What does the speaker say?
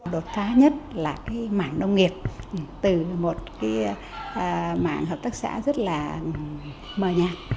đột phát nhất là mạng nông nghiệp từ một mạng hợp tác xã rất là mờ nhạt